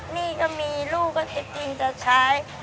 นี่ก็มีลูกก็เท็จจริงจะใช้